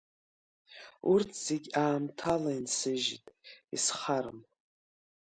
Урҭ зегь аамҭала инсыжьит, исхарам.